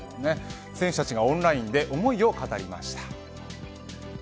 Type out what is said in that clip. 選手たちがオンラインで思いを語りました。